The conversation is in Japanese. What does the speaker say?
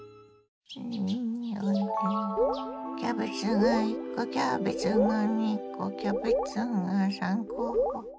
キャベツが１コキャベツが２コキャベツが３コ。